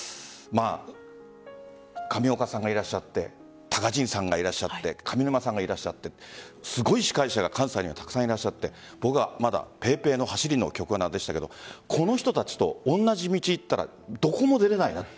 上岡さんがいらっしゃってたかじんさんがいらっしゃって上沼さんがいらっしゃってすごい司会者が関西にはたくさんいてまだ、ペーペーのはしりの局アナでしたが同じ道行ったらどこも出れないなと。